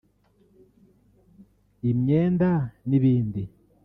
imyenda n’ibindi